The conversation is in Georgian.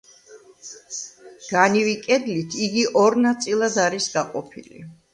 განივი კედლით იგი ორ ნაწილად არის გაყოფილი.